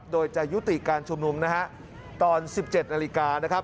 โดยจะยุติการชุมนุมนะฮะตอน๑๗นาฬิกานะครับ